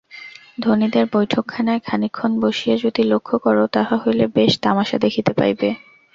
ধনীদের বৈঠকখানায় খানিকক্ষণ বসিয়া যদি লক্ষ্য কর, তাহা হইলে বেশ তামাসা দেখিতে পাইবে।